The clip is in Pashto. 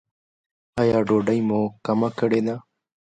ایا ډوډۍ مو کمه کړې ده؟